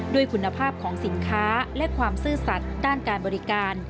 ด้วยคุณภาพของสินค้าและความซื่อสัตว์ด้านการบริการ